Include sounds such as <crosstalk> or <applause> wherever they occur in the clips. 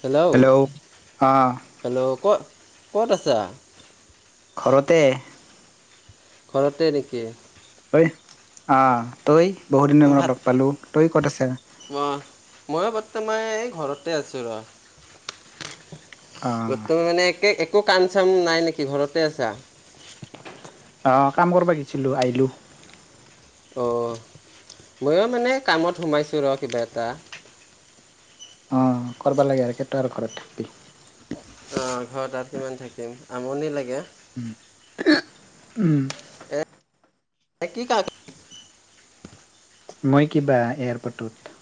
Hello, hello ক-ক'ত আছা? ঘৰতে। ঘৰতে নেকি? তই অ তই বহুদিনৰ মূৰত লগ পালোঁ, তই ক'ত আছা? ম, ময়ো বৰ্তমান এই ঘৰতে আছোঁ ৰ' অ বৰ্তমান মানে একে একো কাম চাম নাই নেকি? ঘৰতে আছা? অ কাম কৰবা গেছিলো, আছিলোঁ। অ ময়ো মানে কামত সোমাইছো ৰ' কিবা এটা। অ, কৰবা লাগে আৰু কেতই আৰু ঘৰত থাকবি অ ঘৰত আৰু কিমান থাকিম, আমনি লাগে। উম, উম। এ <unintelligible> মই কিবা, এয়াৰপৰ্টত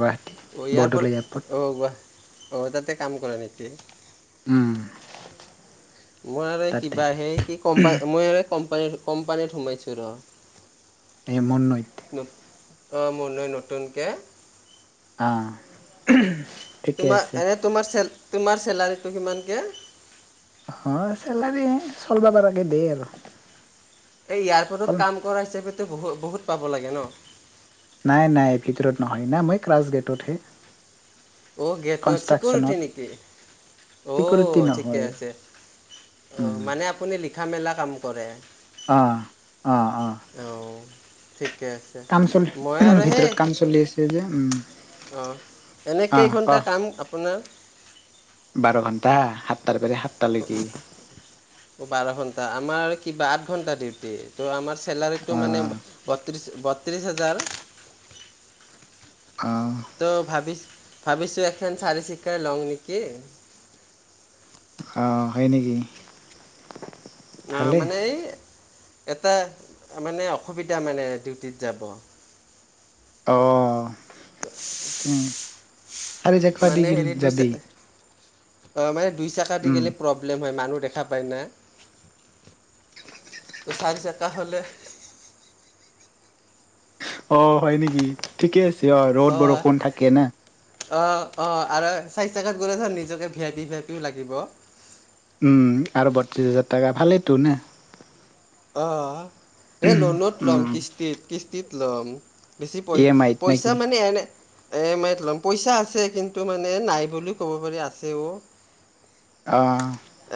গুৱাহাটী অ এয়াৰপৰ্ট, অ গুৱাহ, অ তাতে কাম কৰা নেকি? উম। মই আৰু তাতে কিবা সেই কি কম্পা, মই আৰু ক'ম্পানী, ক'ম্পানীত সোমাইছোঁ ৰ' এই মন নয় ন অ, মোৰলৈ নতুনকে আ এ তোমা এনেই তোমাৰ চেল তোমাৰ চেলাৰীটো কিমানকে? হয় চেলাৰী এ চলবা পাৰাকে দেই আৰু এই, হ'ল এয়াৰপৰ্টত কাম কৰা হিচাপেটো বহু বহুত পাব লাগে ন? নাই নাই ভিতৰত নহয় না মই, ক্লাছ গেটতহে। অ গেটত কনষ্ট্ৰাকচনত চিকৰিটি নেকি? চিকিউৰিটি অ ঠিকে নহয় আছে। অ, উম মানে আপুনি লিখা-মেলা কাম কৰে? অ, অহ, অহ। ঔ, ঠিকে আছ। কাম চলি, ভিতৰত কাম চলি আছে যে, উম। এনেই আহ ক কেইঘণ্টা কাম আপোনাৰ? বাৰ ঘণ্টা, সাতটাৰ পৰা সাতটালৈকে। অ, বাৰ ঘন্টা আমাৰ কিবা আঠ ঘন্টা ডিউটি, তো আমাৰ চেলাৰীটো মানে আহ বত্ৰিছ, বত্ৰিছ হাজাৰ। অহ ত ভাবিছ, ভাবিছোঁ এখন চাৰি চকীয়াই লওঁ নেকি? হ' হয় নেকি? অ ভালে মানে এই, এটা মানে অসুবিধা মানে ডিউটিত যাব। অ উম, চাৰি চকীয়া দি কিল যাবি? অ, মানে দুই চেক দি উম গ'লে প্ৰব্ প্ৰব্লেম হয় মানুহ দেখা পায় না, তো চাৰি চকা হ'লে অ হয় নেকি? ঠিকে আছে, অ, ৰ'দ বৰষুণ থাকে না। অ অ আৰু চাৰি চেকাত গ'লে ধৰ, নিজকে ভি আই পি, ভি আই পিও লাগিব। উম আৰু বত্ৰিছ হাজাৰ টাকা, ভালেইটো নে অ এই লোনত ল'ম উম কিস্তিত, কিস্তিত ল'ম। বেছি ই পই এম আইত পইচা নেকি মানে এনে ই এ মাইত লম, পইচা আছে কিন্তু, মানে নাই বুলিও ক'ব পাৰি, আছেও অ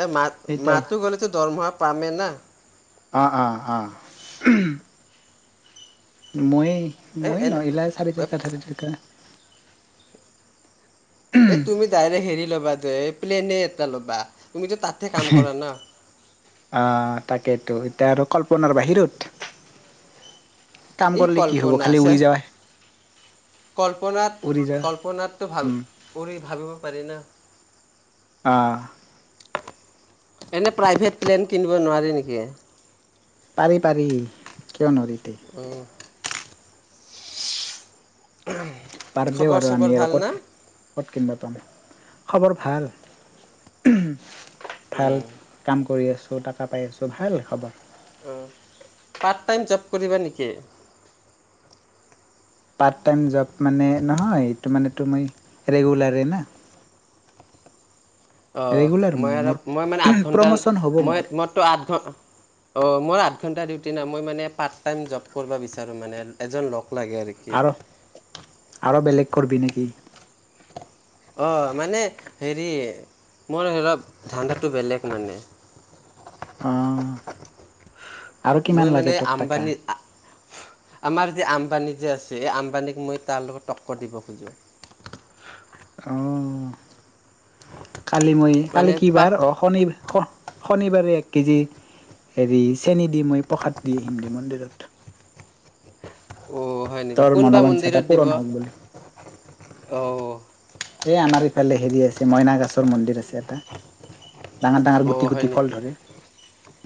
এ, মাহ সেইটাই মাহটো গ'লেটো দৰমহা পামে না অঁ অঁ অঁ। <unintelligible> মই এই মই ন এইবিলাক চাৰে চয়তা এনে চাৰে চকা। এই তুমি ডাইৰেক্ট হেৰি ল'বা যে এই প্লেনেই এটা ল'বা, তুমিতো তাতহে কাম কৰা ন! অঁ তাকেইতো এতিয়া আৰু কল্পনাৰ বাহিৰত। কাম এই কৰিলে কি হব কল্পনা খালি চে উৰি যাৱাই। কল্পনাত উৰি যা কল্পনাতো ভাল উম কৰি ভাবিব পাৰি না। অঁহ। এনে প্ৰাইভেট প্লেন কিনিব নোৱাৰি নেকি? পাৰি পাৰি কিয় নোৱাৰি এটো। উম। পাৰব দেও খবৰ আৰু চবৰ আমি আৰু ভাল না ক'ত ক'ত কিনিব পাম, খাবৰ ভাল ভাল। উম, কাম কৰি আছোঁ টকা পাই আছোঁ ভাল খবৰ। অ' পাৰ্ট টাইম জ'ব কৰিবা নেকি? পাৰ্ট টাইম জ'ব মানে নহয় এইটো মানে তুমি ৰেগুলাৰেই না। ৰেগুলাৰ অ' মই আৰু মোৰ মই মানে আঠ ঘন্টা প্ৰমোচন হ'ব মই মোৰ মই টো আঠ ঘ অ' মোৰ আঠ ঘণ্টা ডিউটি না, মই মানে পাৰ্ট টাইম জ'ব কৰিব বিচাৰো মানে এজন লগ লাগে আৰু। কি আৰু আৰু বেলেগ কৰবি নেকি? অ' মানে হেৰি মোৰ ধৰক ধাণ্দাটো বেলেগ মানে। অঁ আৰু মই কিমান মানে লাগে তোক টাকা? আম্বানী আমাৰ যে আম্বানি যে আছে এই আম্বানীক মই তাৰ লগত টক্কৰ দিব খোজোঁ। অঁ' কালি মই মানে কালি কি পাত বাৰ অ' শনি হ শনিবাৰে এক কেজি হেৰি চেনি দি মই প্ৰসাদ দি আহিম মন্দিৰত। অ' হয় নেকি? তোৰ কোনবা মনোবাঞ্ছা এটা মন্দিৰত দিব? পূৰণ হওক বুলি অ! এই আমাৰ ইফালে হেৰি আছে মইনা গাছৰ মন্দিৰ আছে এটা। ডাঙৰ ডাঙৰ গুটি অ' হয় গুটি ফল নেকি? ধৰে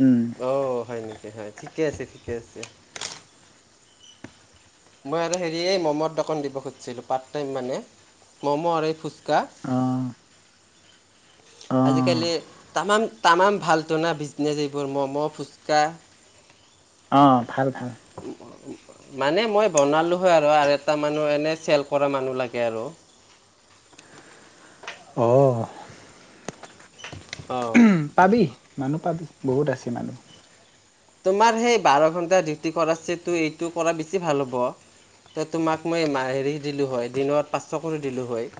উম অ' হয় নেকি হয় ঠিকে ঠিকে আছে। মই আৰু হেৰি এই ম'ম'ৰ দোকান দিব খুজিছিলোঁ পাৰ্ট টাইম মানে, ম'ম' আৰু এই ফুচকা। অ অ <inaudible> আজিকালি তামাম তামাম ভাল টো না বিজনেছ এইবোৰ ম'ম' ফুচকা। অঁ ভাল ভাল। মানে মই বনালোঁ হয় আৰু, আৰু এটা মানুহ এনেই চেল কৰা মানুহ লাগে আৰু। অহ। অঁ। পাবি মানুহ পাবি বহুত আছে মানুহ। তোমাৰ সেই বাৰ ঘণ্টা ডিউটি কৰাছেটো এইটো কৰা বেছি ভাল হ'ব। ত' তোমাক মই হেৰি দিলোঁ হয় দিনত পাঁচশ কৰি দিলোঁ হয়।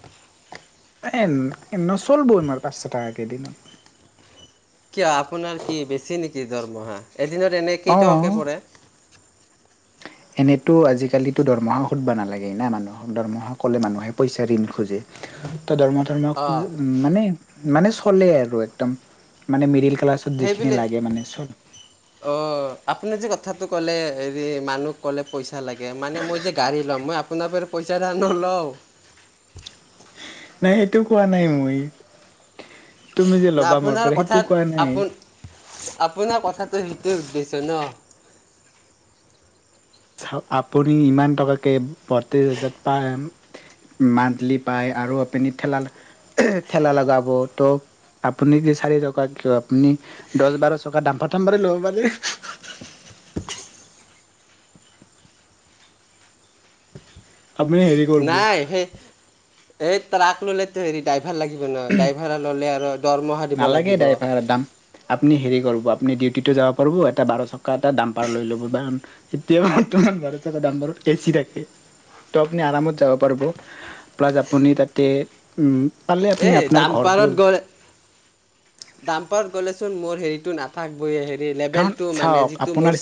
এ নচলব ইমান পাঁচশ টকাকে দিনত। কিয় আপোনাৰ কি বেছি নেকি দৰমহা? এদিনত এনেই অ কেই টাকাকে পৰে? এনেতো আজিকালিতো দৰমহা সুধবা নালাগে না মানুহক, দৰমহা ক'লে মানুহে পইচা ঋণ খোজে। ত দৰমহা চৰমহা অঁ খুজে উম, মানে মানে চলে আৰু একদম মানে মিডিল ক্লাছত যিখিনি লাগে মানে চল অ' আপুনি যে কথাটো ক'লে হেৰি মানুহ ক'লে পইচা লাগে, মানে মই যে গাড়ী লম, মই আপোনা পৰা পইচা ধাৰ নলওঁ। নাই সেইটো কোৱা নাই মই, তুমি যে ন ল'বা মোৰ আপোনাৰ পৰা সেইটো কথাত কোৱা নাই। আপোন আপোনাৰ কথাটো সেইটোৱে উদ্দেশ্য ন। চাওঁক আপুনি ইমান টকাকে বত্ৰিছ হাজা পায়। মান্থলি পায় আৰু আপুনি ঠেলা ঠেলা লগাব, ত আপুনি কি চাৰি টকা কিয় আপুনি দশ বাৰ চকাৰ জাম্পাৰ থাম্পাৰে ল'ব পাৰে। আপুনি হেৰি কৰিব নাই, সেই এই ট্ৰাক ললে। এইটো হেৰি ড্ৰাইভাৰ লাগিব ন, ড্ৰাইভাৰ ল'লে আৰু দৰমহা দিব নালাগে লাগিব ডাইভাৰৰ দাম। আপুনি হেৰি কৰিব আপুনি ডিউটিটো যাব পাৰিব, এটা বাৰ চকা এটা ডাম্পাৰ লৈ ল'ব। এতিয়া বৰ্তমান বাৰ চকাৰ ডাম্পাৰত এচি থাকে। ত আপুনি আৰামত যাব পাৰিব, প্লাছ আপুনি তাতে উম, পালে আপনি আপোনাৰ ঘৰটোৰ জাম্পাৰত গ'লেচোন মোৰ হেৰিটো নাথাকবয়ে হেৰি কাৰণ লেভেলটো মানে চাওক যিটো আপোনাৰ মোৰ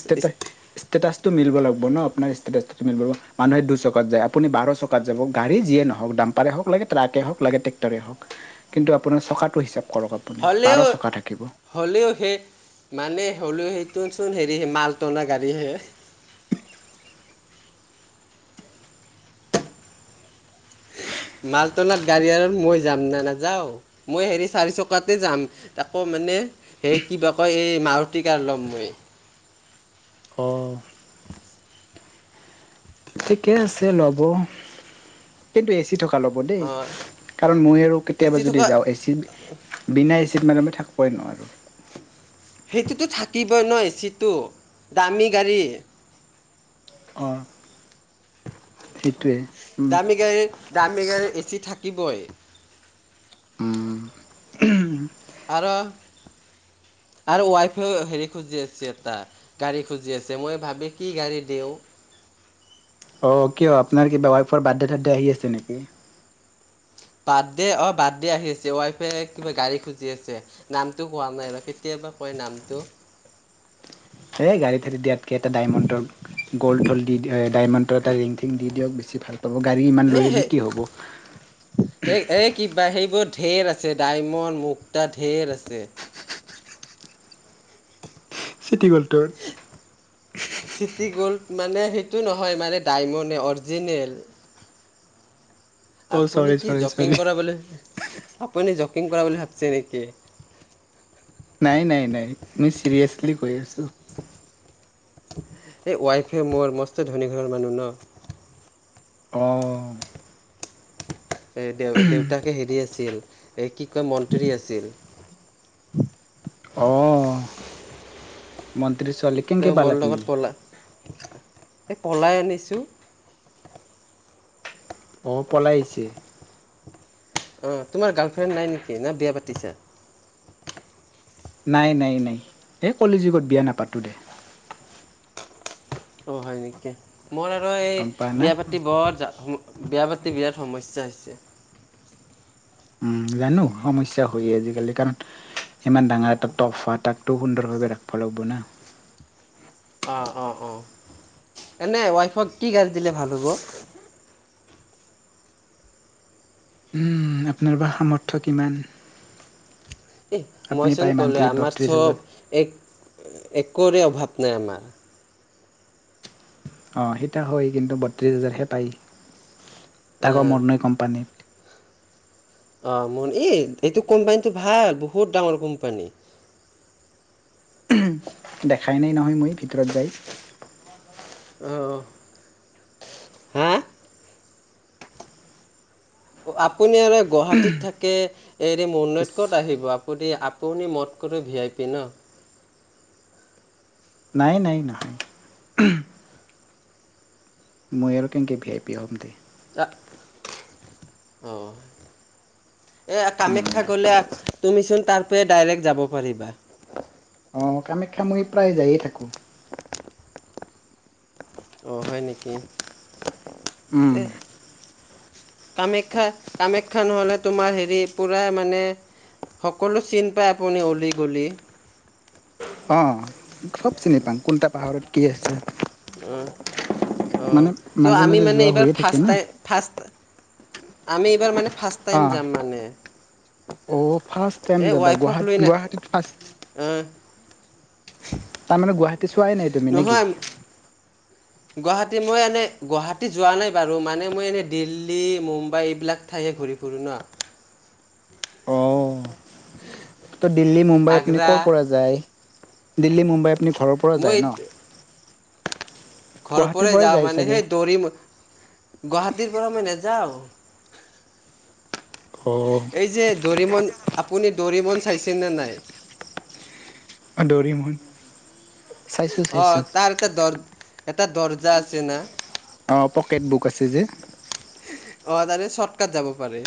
ষ্টেটাছ মিল লাগিব ন, আপোনাৰ ষ্টেটাচো মাগিব মানুহে দুচকাত যায়, আপুনিাৰ বাৰ চ কাম যাব, গাড়ী‌ যিয়ে নহওঁক ডাম্পাৰে হক লাগে ট্ৰাকে হক লাগে টেক্টৰে হওক। কিন্তু আপোনাৰ চকাটো হিচাপ কৰক। আপুনি বাৰ হ'লেও চকা থাকিব হ'লেও সেই মানে হ'লেও সেইটো চুন হেৰি মা ল টনা গাড়ী হে। মালটনাত গাড়ী আৰু মই যাম নে নাযাওঁ। মই হেৰি চাৰি চকাতে যাম, আকৌ মানে সেই কিবা কয় এই মাৰুতি কাৰ ল'ম মই। অ। ঠিকে আছে ল'ব, কিন্তু এ চি থকা ল'ব দেই, অঁ কাৰণ মই আৰু এ কেতিয়াবা চি যদি থকা যাওঁ, এচি বিনা এচিত মান মই থাকিবই নোৱাৰো। সেইটোতো থাকিবই নয় এচিটো, দামী গাড়ী। অঁ সেইটোৱে। দামী গাড়ীৰ, দামী গাড়ী এচি থাকিবই। উম উমহ। আৰু আৰু ৱাইফাইও হেৰি খুজি আছে এটা। গাড়ী খুজি আছে, মই ভাবি কি গাড়ী দিওঁ। অ কিয়? আপোনাৰ কিবা ৱাইফৰ বাৰ্থডে থাৰ্থডে আহি আছে নেকি? বাৰ্থডে অ বাৰ্থডে আহি আছে ৱাইফে কিবা গাড়ী খুজি আছে। নামটো কোৱা নাই আৰু কেতিয়াবা কয় নামটো। এই গাড়ী ঠিকেই দিয়াতকে এটা ডাইমণ্ডৰ গ'ল্ড চল দি ডায়মণ্ডৰ এটা ৰিং ঠিং দি দিয়ক, বেছি ভাল পাব গাড়ী ইমান লৈ এই ললে সেই কি হ'ব? এই এই কিবা সেইবোৰ ঢেৰ আছে ডায়মণ্ড, মুক্তা ঢেৰ আছে। চিটি গ'লটোৰ। <inaudible> চিটি গ'ল্ড মানে সেইটো নহয়, মানে ডায়মণ্ডে অৰিজিনেল। অঁ চৰি আপুনি কি চৰি জকিং চৰি কৰা বুলি আপুনি জকিং কৰা বুলি ভাবছে নেকি? নাই নাই নাই, মই চিৰিয়াছলি কৈ আছোঁ। এই ৱাইফে মোৰ মস্ত ধনী ঘৰৰ মানুহ ন? অঁ। এই দে দেউতাকে হেৰি আছিল এই কি কয় মন্ত্ৰী আছিল। অ মন্ত্ৰ্ৰী ছোৱালী তো কেনেকে মোৰ লগত পালাতনি। পলাই এই পলাই আনিছোঁ। অঁ পলাইছে। অঁ তোমাৰ গাৰ্লফ্ৰেড নাই নেকি না বিয়া পাতিছা? নাই নাই নাই এই কলেজুগত বিয়া নাপাতো দে। অঁ হয় নেকি মই আৰু এই গম পা না বিয়া পাতি বত। বিয়া পাতি বিৰাট সমস্যা হৈছে। উম জানো সমস্যা হয়েই আজিকালি কাৰণ। ইমান ডাঙৰ এটা তটফা তাক ত সুন্দৰভাৱে ৰাখিব লাগিব না। অঁ অঁ অঁ এনেই ৱাইফক কি গেছ দিলে ভাল হ'ব। উম আপোনাৰ বা সামৰ্থ্য কিমান। এ আপুনি মইচোন পায় ক'লো মান্থলি আমাৰ বত্ৰিশ হাজাৰ চব এক একোৰে অভাৱ নাই আমাৰ। অঁ সেইটো হয় কিন্তু বত্ৰিছ হাজাৰহে পায় তাকৌ অঁ, মৰনৈ কোম্পানীত। অঁ ম এই এইটো কোম্পানীটো ভাল বহুত ডাঙৰ কোম্পানী। দেখাই নাই নহয় মই ভিতৰত যায়। অ। আপুনি আৰু গুৱাহাটীত থাকে হেৰি মনৈত ক'ত আহিব। আপ আপুনি মদ কৰ ভি আই পি ন। নাই নাই নহয় মই আৰু কেনেকে ভি আই পি হম দে। আহ অ এ উম কামাখ্যা গলে। তুমিচোন তাৰপয়ে ডাইৰেক্ট যাব পাৰিবা। অ কামাখ্যা মই প্ৰায় যায়ে থাকোঁ। অঁ হয় নেকি উম এই। কামাখ্যা কামাখ্যা নহ'লে তোমাৰ হেৰি পূৰা মানে। সকলো চিন পাই আপুনি অলি গলি। অঁ চব চিনি পাম কোনটা পাহাৰত কি আছে। উম। মানে মাজে মাজে যোৱা হৈয়ে থাকে ফাৰ্ষ্ট না। টাইম ফাৰ্ষ্ট আমি এইবাৰ মানে ফাৰ্ষ্ট অ টাইম যাম মানে। অ ফাৰ্ষ্ট টাইম যাবা গুৱা গুৱাহাটীত ফাৰ্ষ্ট অ তাৰমানে গুৱাহাটী কি চুৱাই নাই। তুমি নেকি নহয় গুৱাহাটী মই এনেই গুৱাহাটী যোৱা নাই বাৰু মানে মই এনেই দিল্লী মুম্বাই এইবিলাক ঠাইহে ঘূৰিম। ফুৰো ন অঁ। ত' দিল্লী মুম্বাই আপুনি আগ্ৰা ক'ৰ পৰা যায় দিল্লী মুম্বাই আপুনি ঘৰৰ পৰা যায় মই ন। ঘৰ গুৱাহাটীৰ পৰাৰে পৰাই যা যায় মানে চাগে সেই দৌৰিম। গুৱাহাটীৰ পৰা মই নাযাওঁ। অ। এই যে দৰিমন আপুনি দৰিমন চাইছেনে নাই। আ দৰিমন। চাইছোঁ অ চাইছোঁ তাৰ এটা দ এটা দৰ্জা আছে না। অ পকেট বুক আছে যে। অ তাৰে শৰ্টকাট যাব পাৰে।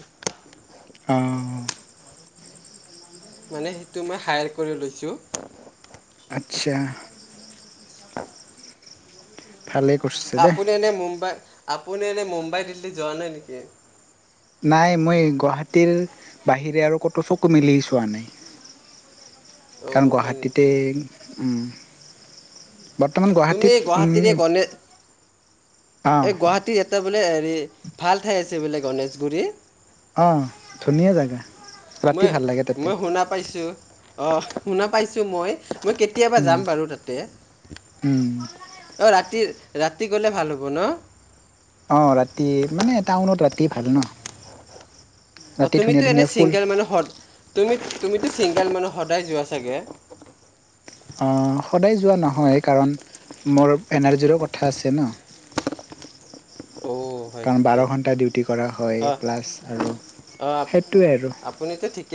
অ মানে সেইটো মই হায়াৰ কৰি লৈছোঁ। আচ্ছা। ভালে কৰিছ আপুনি এনে মুম্বাই আপুনি এনে মুম্বাই দিল্লীত যোৱা নাই নেকি। নাই মই গুৱাহাটীৰ বাহিৰে আৰু ক'তো চকু মেলি চোৱা নাই। কাৰণ অঁ হয় গুৱাহাটীতে নেকি উম, বৰ্তমান তুমি গুৱাহাটীত গুৱাহাটীৰে এই উম, গণে অ', এই গুৱাহাটী, টা বোলে হেৰি ভাল ঠাই আছে বোলে গণেশগুৰিত, অ ধুনীয়া জাগা। ৰাতি মই ভাল লাগে তাতে মই শুনা পাইছোঁ অ শুনা পাইছোঁ মই কে কেতিয়াবা উম, যাম বাৰু তাতে উম। ৰাতি ৰাতি গ'লে ভাল হ'ব ন। অ ৰাতি মানে টাউনত ৰাতি ভাল ন। অ ৰাতি তুমিতো ধুনীয়া এনে ধুনীয়া ফুল চিংগেল মানুহত তুমি তুমি চিংগেল মানুহ সদায় যোৱা চাগে। অ সদায় যোৱা নহয় কাৰণ মোৰ এনাৰ্জিৰো কথা আছে ন। অঁ হয় কাৰণ বাৰ ঠিকে ঘণ্টা ডিউটি কৰা হয় অঁ প্লাছ আৰু সেইটোৱে আৰু তুমি তৈ ঠিকে,